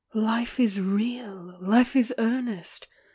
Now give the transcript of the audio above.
Life is real ! Life is earnest